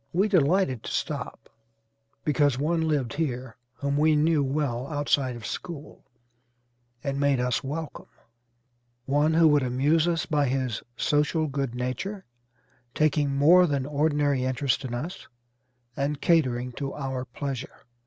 We delighted to stop because one lived here whom we knew well outside of school and made us welcome; one who would amuse us by his social good nature, taking more than ordinary interest in us, and catering to our pleasure."